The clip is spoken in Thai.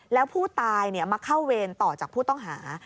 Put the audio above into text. แล้วผู้ตายมาเข้าเวรต่อจากผู้ต้องหา